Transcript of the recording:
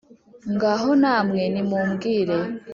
ngaho namwe nimumbwire